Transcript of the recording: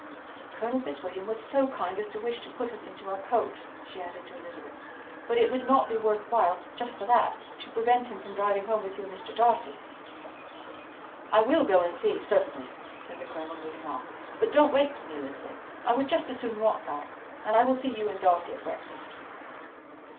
Colonel Fitzwilliam was so kind as to wish to put us into our coach," she added to Elizabeth, "but it would not be worth while, just for that, to prevent him from driving home with you and Mr. Darcy." "I will go and see, certainly," said the Colonel, moving off; "but don't wait for me, Elizabeth. I would just as soon walk back, and I will see you and Darcy at breakfast."